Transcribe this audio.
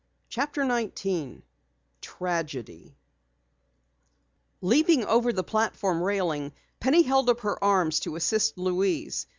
CHAPTER 19 TRAGEDY Leaping over the platform railing, Penny held up her arms to assist Louise.